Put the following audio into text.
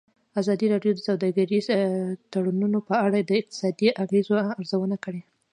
ازادي راډیو د سوداګریز تړونونه په اړه د اقتصادي اغېزو ارزونه کړې.